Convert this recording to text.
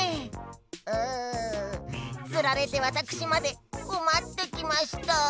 うんつられてわたくしまでこまってきました。